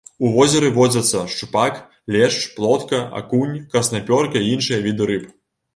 У возеры водзяцца шчупак, лешч, плотка, акунь, краснапёрка і іншыя віды рыб.